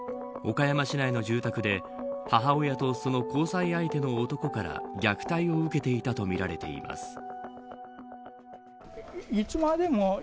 岡山市内の住宅で母親とその交際相手の男から虐待を受けていたとみられています。